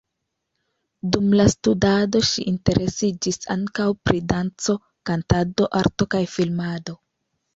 Dum la studado ŝi interesiĝis ankaŭ pri danco, kantado, arto kaj filmado.